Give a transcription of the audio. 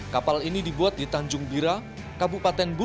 kapal ini dibuat di tanjung bira kabupaten bumi